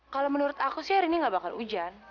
kalau menurut aku sih hari ini nggak bakal hujan